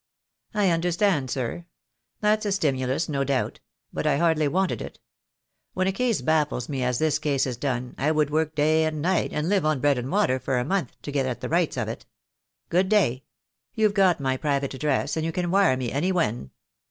"I understand, sir. That's a stimulus, no doubt; but I hardly wanted it. When a case baffles me as this case has done, I would work day and night, and live on bread and water for a month, to get at the rights of it. Good day. You've got my private address, and you can wire me any when."